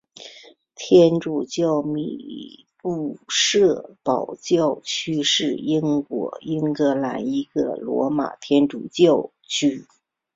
天主教米杜士堡教区是英国英格兰一个罗马天主教教区。